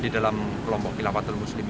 di dalam kelompok kilafatul muslim ini